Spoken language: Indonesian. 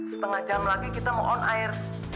setengah jam lagi kita mau on air